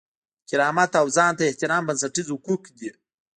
کرامت او ځان ته احترام بنسټیز حقوق دي.